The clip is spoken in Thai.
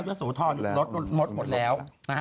ยกสูทอลลดหมดแล้ว